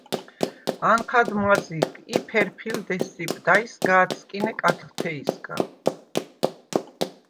ანჴად მაზიგ ი ფერფილდ ესსიპდა ი სგ’ ა̄დსკინე კათხთე̄ჲსგა.